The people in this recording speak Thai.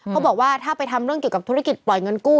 เขาบอกว่าถ้าไปทำเรื่องเกี่ยวกับธุรกิจปล่อยเงินกู้